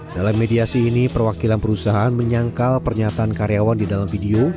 dalam mediasi ini perwakilan perusahaan menyangkal pernyataan karyawan di dalam video